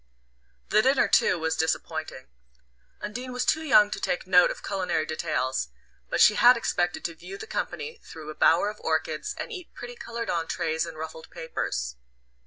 The dinner too was disappointing. Undine was too young to take note of culinary details, but she had expected to view the company through a bower of orchids and eat pretty coloured entrees in ruffled papers.